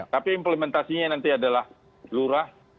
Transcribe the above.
tapi implementasinya nanti adalah lurah